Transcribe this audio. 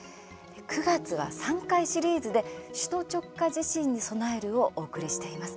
９月は３回シリーズで「首都直下地震に備える」をお送りしています。